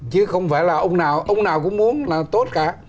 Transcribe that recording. chứ không phải là ông nào ông nào cũng muốn là tốt cả